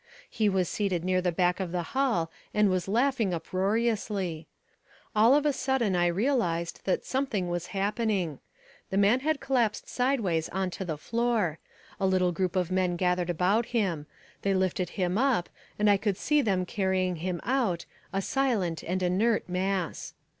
He was seated near the back of the hall and was laughing uproariously. All of a sudden I realised that something was happening. The man had collapsed sideways on to the floor; a little group of men gathered about him; they lifted him up and I could see them carrying him out, a silent and inert mass.